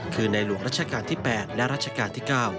คือในหลวงรัชกาลที่๘และรัชกาลที่๙